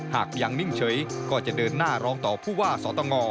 หากยังนิ่งเฉยก็จะเดินหน้าร้องต่อผู้ว่าสตง